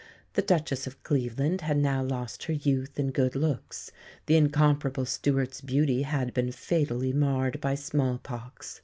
The Duchess of Cleveland had now lost her youth and good looks; the incomparable Stuart's beauty had been fatally marred by small pox.